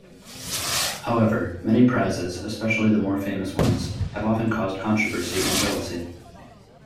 However, many prizes, especially the more famous ones, have often caused controversy and jealousy.